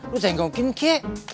lo tengokin kek